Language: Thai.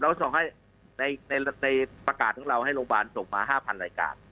ส่งให้ในประกาศของเราให้โรงพยาบาลส่งมา๕๐๐รายการ